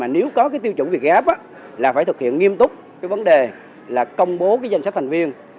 nếu có tiêu chuẩn việt gáp là phải thực hiện nghiêm túc vấn đề công bố danh sách thành viên